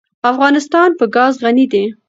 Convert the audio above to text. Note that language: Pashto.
افغانستان په ګاز غني دی.